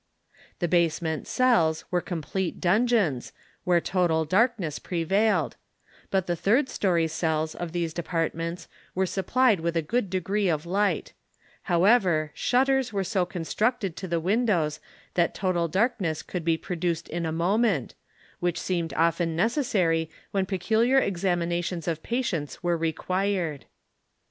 73 The basement cells were complete dungeons, where total darkness prevailed ; but the third story cells of these de partments were supplied with a good degree of light ; how ever, shutters were so constructed to the windows that total darkness could be produced in a moment, which seemed often necessary when peculiar examinations of pa tients were required.